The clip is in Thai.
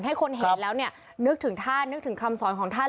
ให้คนเห็นแล้วเนี่ยนึกถึงท่านนึกถึงคำสอนของท่าน